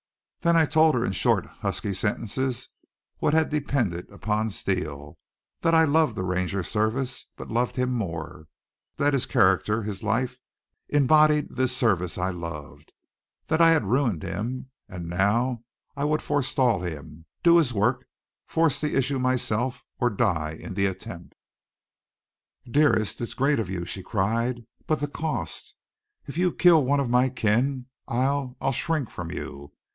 Then I told her in short, husky sentences what had depended on Steele: that I loved the Ranger Service, but loved him more; that his character, his life, embodied this Service I loved; that I had ruined him; and now I would forestall him, do his work, force the issue myself or die in the attempt. "Dearest, it's great of you!" she cried. "But the cost! If you kill one of my kin I'll I'll shrink from you!